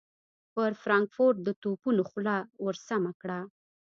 پر فرانکفورټ د توپونو خوله ور سمهکړه.